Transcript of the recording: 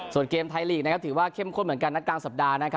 ส่วนเกมไทยลีกถือว่าเข้มข้นเหมือนกันนะกลางสัปดาห์